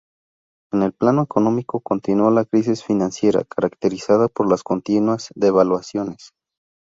En el plano económico continuó la crisis financiera, caracterizada por las continuas devaluaciones.